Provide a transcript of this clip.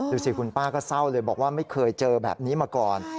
ดูสิคุณป้าก็เศร้าเลยบอกว่าไม่เคยเจอแบบนี้มาก่อน